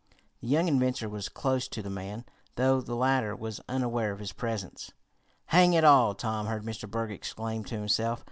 The young inventor was close to the man, though the latter was unaware of his presence. "Hang it all!" Tom heard Mr. Berg exclaim to himself.